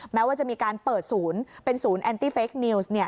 แม้ว่าจะมีการเปิดศูนย์เป็นศูนย์แอนตี้เฟคนิวส์